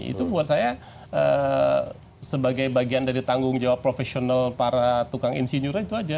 itu buat saya sebagai bagian dari tanggung jawab profesional para tukang insinyur itu aja